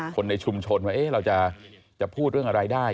คนในชุมชนว่าเราจะพูดเรื่องอะไรได้